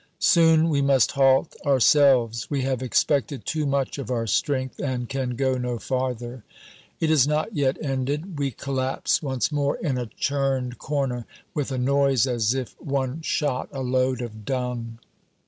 Soon we must halt ourselves. We have expected too much of our strength and can go no farther. It is not yet ended. We collapse once more in a churned corner, with a noise as if one shot a load of dung.